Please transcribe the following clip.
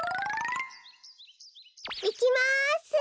いきます。